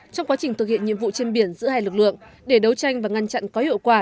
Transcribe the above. trong quá trình thực hiện nhiệm vụ trên biển giữa hai lực lượng để đấu tranh và ngăn chặn có hiệu quả